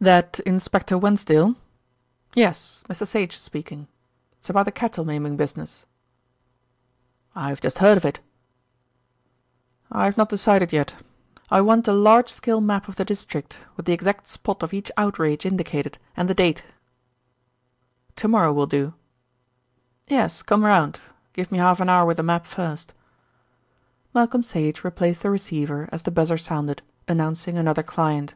"That Inspector Wensdale? Yes! Mr. Sage speaking. It's about the cattle maiming business. I've just heard of it. I've not decided yet. I want a large scale map of the district, with the exact spot of each outrage indicated, and the date. To morrow will do. Yes, come round. Give me half an hour with the map first." Malcolm Sage replaced the receiver as the buzzer sounded, announcing another client.